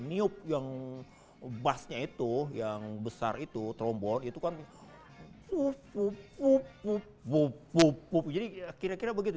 niup yang basnya itu yang besar itu trombol itu kan suhu jadi kira kira begitu